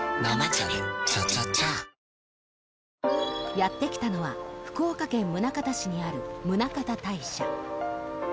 やってきたのは福岡県宗像市にある宗像大社